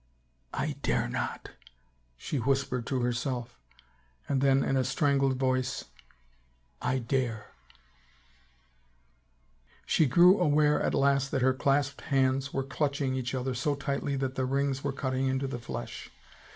" I dare not," she whispered to herself, and then in a strangled voice, " I dare !" She grew aware at last that her clasped hands were clutching each other so tightly that the rings were cutting into the flesh.